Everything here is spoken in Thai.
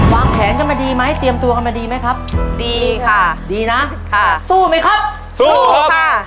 วางแผนกันมาดีไหมเตรียมตัวกันมาดีไหมครับดีค่ะดีนะค่ะสู้ไหมครับสู้ค่ะ